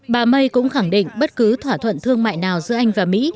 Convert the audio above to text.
bà may cũng khẳng định bất cứ thỏa thuận thương mại nào giữa anh và mỹ